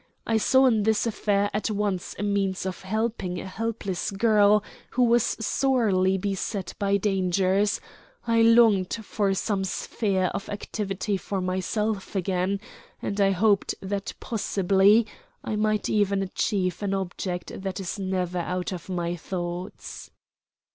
I saw in this affair at once a means of helping a helpless girl who was sorely beset by dangers; I longed for some sphere of activity for myself again; and I hoped that possibly I might even achieve an object that is never out of my thoughts."